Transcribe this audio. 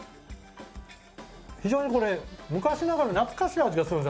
非常にこれ昔ながらの懐かしい味がするんですよ。